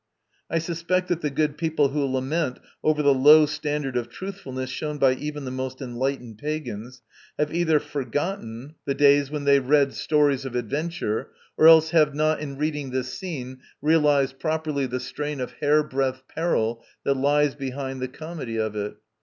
I suspect that the good people who lament over "the low standard of truthfulness shown by even the most enlightened pagans" have either forgotten the days when they read stories of adventure, or else have not, in reading this scene, realised properly the strain of hairbreadth peril that lies behind the comedy of it.